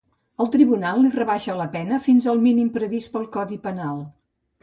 El tribunal li rebaixa la pena fins al mínim previst pel codi penal.